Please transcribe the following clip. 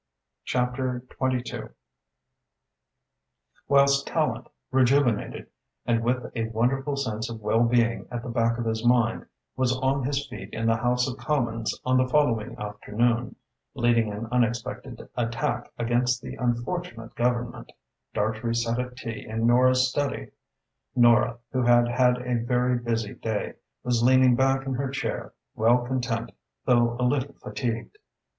CHAPTER VIII Whilst Tallente, rejuvenated, and with a wonderful sense of well being at the back of his mind, was on his feet in the House of Commons on the following afternoon, leading an unexpected attack against the unfortunate Government, Dartrey sat at tea in Nora's study. Nora, who had had a very busy day, was leaning back in her chair, well content though a little fatigued.